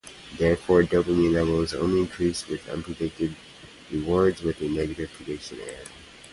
Therefore, dopamine levels only increase with unpredicted rewards and with a "negative prediction error".